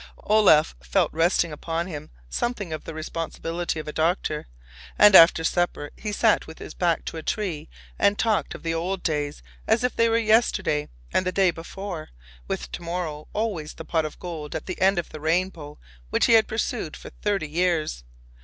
Olaf felt resting upon him something of the responsibility of a doctor, and after supper he sat with his back to a tree and talked of the old days as if they were yesterday and the day before, with tomorrow always the pot of gold at the end of the rainbow which he had pursued for thirty years.